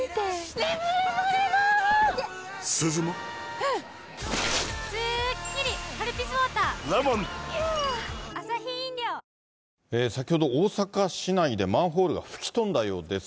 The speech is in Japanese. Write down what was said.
うーん、さあということで、先ほど、大阪市内でマンホールが吹き飛んだようです。